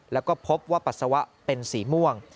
แล้วก็พบว่าปัสสาวะเป็นสีม่วง